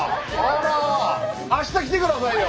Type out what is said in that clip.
明日来て下さいよ。